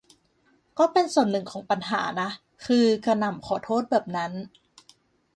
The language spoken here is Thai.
ก็เป็นส่วนหนึ่งของปัญหานะ คือกระหน่ำขอโทษแบบนั้น